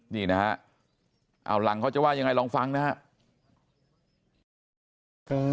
นี่นะฮะเอาหลังเขาจะว่ายังไงลองฟังนะครับ